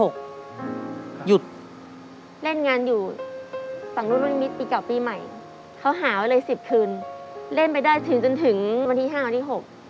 เขาหาไว้เลย๑๐คืนเล่นไปได้ถึงจนถึงวันที่๕๖